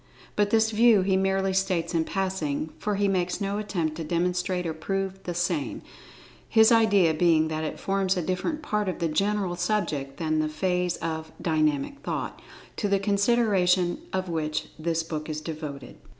But this view he merely states in passing, for he makes no attempt to demonstrate or prove the same, his idea being that it forms a different part of the general subject than the phase of "Dynamic Thought," to the consideration of which this book is devoted.